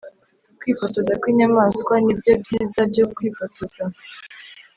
kwifotoza kwinyamanswa nibyo byiza byo kwifotoza.